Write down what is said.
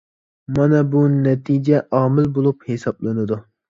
مانا بۇ نەتىجە ئامىل بولۇپ ھېسابلىنىدۇ.